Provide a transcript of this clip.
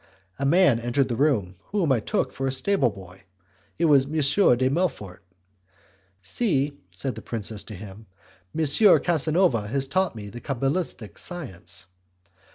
A man entered the room, whom I took for a stableboy; it was M. de Melfort. "See," said the princess to him, "M. Casanova has taught me the cabalistic science."